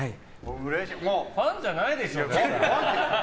ファンじゃないでしょ。